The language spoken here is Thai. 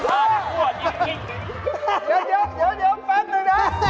อ้าวเดี๋ยวปั๊ดหน่อยนะ